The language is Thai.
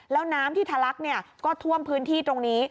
แล้วน้ำที่ทะลักก็ท่วมพื้นที่ตรงนี้